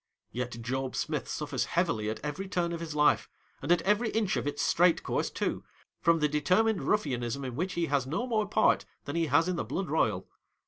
Yet Job Smith suffers heavily, at every turn of his life, and at every inch of its straight j •e too, from the determined ruffianism in • which he has no more part than he has in the blood Eoyal.